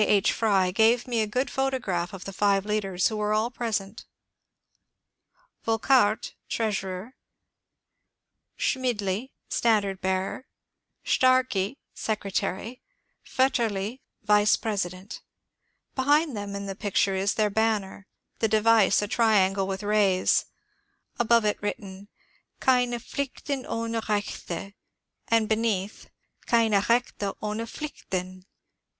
H. Frey, gave me a good photograph of the five leaders, who were all present : Yolckardt, treasurer ; Schmidli, standard bearer ; Starki, secretary ; Yetterli, vice president. Behind them in the picture is their banner, the device a triangle with rays ; above it written Keine Pjlichten ohne Hechte ; and beneath, Keine Hechte ohne Pjlichten.